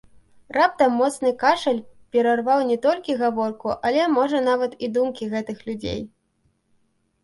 Раптам моцны кашаль перарваў не толькі гаворку, але можа нават і думкі гэтых людзей.